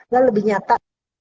dan lebih nyata